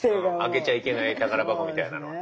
開けちゃいけない宝箱みたいなのは。